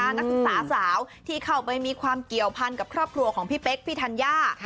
นักศึกษาสาวที่เข้าไปมีความเกี่ยวพันกับครอบครัวของพี่เป๊กพี่ธัญญา